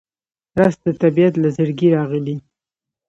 رس د طبیعت له زړګي راغلی